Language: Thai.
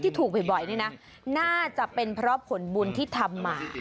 ถูกบ่อยนี่นะน่าจะเป็นเพราะผลบุญที่ทำมา